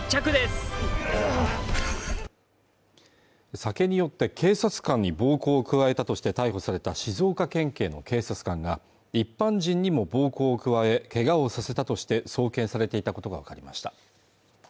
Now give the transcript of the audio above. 酒に酔って警察官に暴行を加えたとして逮捕された静岡県警の警察官が一般人にも暴行を加えけがをさせたとして送検されていたことが分かりました